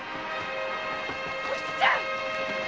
お七ちゃん！